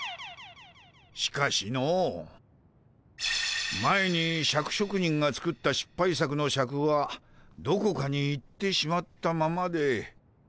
しかしの前にシャク職人が作ったしっぱい作のシャクはどこかに行ってしまったままで。